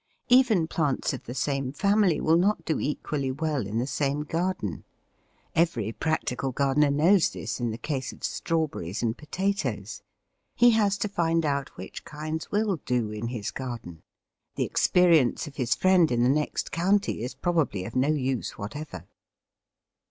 Even plants of the same family will not do equally well in the same garden. Every practical gardener knows this in the case of strawberries and potatoes; he has to find out which kinds will do in his garden; the experience of his friend in the next county is probably of no use whatever.